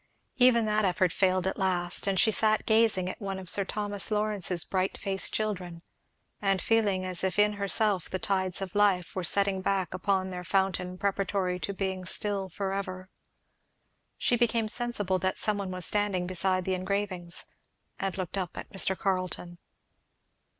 Even that effort failed at last; and she sat gazing at one of Sir Thomas Lawrence's bright faced children, and feeling as if in herself the tides of life were setting back upon their fountain preparatory to being still forever. She became sensible that some one was standing beside the engravings, and looked up at Mr. Carleton.